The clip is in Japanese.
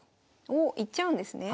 おっいっちゃうんですね？